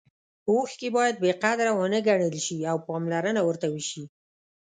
اوښکې باید بې قدره ونه ګڼل شي او پاملرنه ورته وشي.